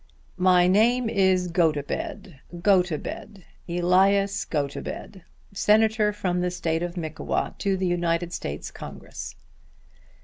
"My name is Gotobed; Gotobed; Elias Gotobed, Senator from the State of Mickewa to the United States Congress."